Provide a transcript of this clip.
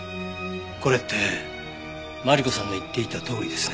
これってマリコさんの言っていたとおりですね。